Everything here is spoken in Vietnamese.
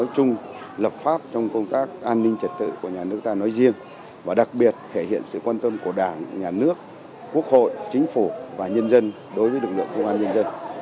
việc quốc hội thông qua luật công an nhân dân năm hai nghìn một mươi tám đã đánh dấu một bước tiến quan trọng trong công tác lập pháp trong công tác an ninh trật tự của nhà nước ta nói riêng và đặc biệt thể hiện sự quan tâm của đảng nhà nước quốc hội chính phủ và nhân dân đối với lực lượng công an nhân dân